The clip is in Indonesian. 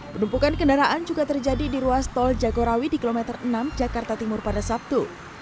penumpukan kendaraan juga terjadi di ruas tol jagorawi di kilometer enam jakarta timur pada sabtu